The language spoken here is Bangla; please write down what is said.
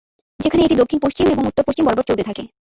যেখানে এটি দক্ষিণ-পশ্চিম এবং উত্তর-পশ্চিম বরাবর চলতে থাকে।